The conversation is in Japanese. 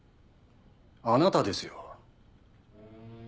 あなたですよ。